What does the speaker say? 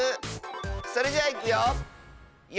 それじゃいくよ！